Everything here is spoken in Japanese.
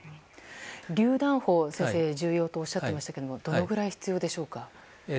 りゅう弾砲が重要と先生おっしゃっていましたけどどのぐらい必要でしょうか。